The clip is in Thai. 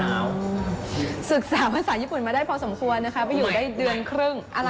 เอาศึกษาภาษาญี่ปุ่นมาได้พอสมควรนะคะไปอยู่ได้เดือนครึ่ง